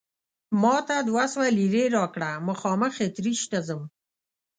ما ته دوه سوه لیرې راکړه، مخامخ اتریش ته ځم.